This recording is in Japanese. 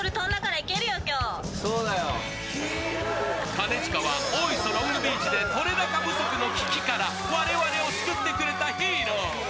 兼近は、大磯ロングビーチで撮れ高不足の危機から我々を救ってくれたヒーロー。